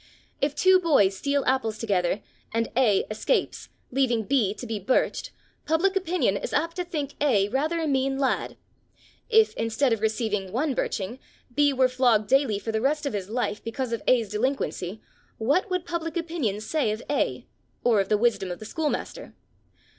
If two boys steal apples together and A escapes, leaving B to be birched, public opinion is apt to think A rather a mean lad. If, instead of receiving one birching, B were flogged daily for the rest of his life because of A's delinquency, what would public opinion say of A? or of the wisdom of the schoolmaster?